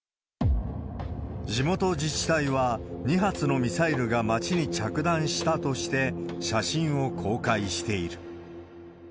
地元自治体は、２発のミサイルが町に着弾したとして、写真を公開している。